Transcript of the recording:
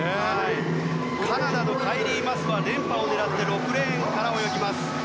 カナダのカイリー・マスは連覇を狙って６レーンから泳ぎます。